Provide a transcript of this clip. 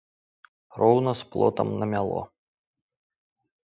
Роўна з плотам намяло.